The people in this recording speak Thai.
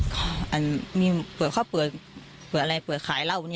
เขาเกิดอะไรแบบคลายเล่า